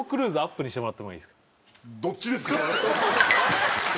どっちですか？